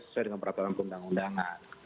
sesuai dengan peraturan perundang undangan